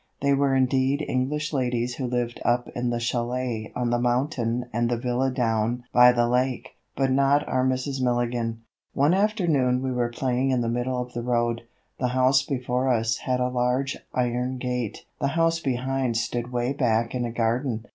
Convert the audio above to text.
They were indeed English ladies who lived up in the chalet on the mountain and the villa down by the lake; but not our Mrs. Milligan. One afternoon we were playing in the middle of the road. The house before us had a large iron gate; the house behind stood way back in a garden.